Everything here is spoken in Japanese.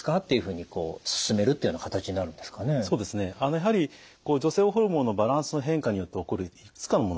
やはり女性ホルモンのバランスの変化によって起こるいくつかのもの